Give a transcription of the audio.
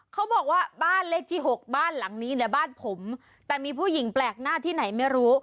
เขาบอกว่าบ้านเลขที่๖บ้านหลังนี้เนี่ยบ้านผมแต่มีผู้หญิงแปลกหน้าที่ไหนไม่รู้